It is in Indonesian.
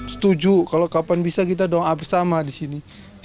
setuju kalau kapan bisa kita doa bersama di sini